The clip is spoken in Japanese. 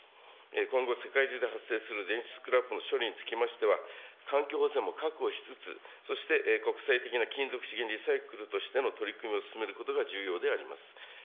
今後、世界中で発生する電子スクラップの処理につきましては、環境保全も確保しつつ、そして国際的な金属資源リサイクルとしての取り組みを進めることが重要であります。